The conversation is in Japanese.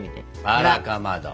あらかまど！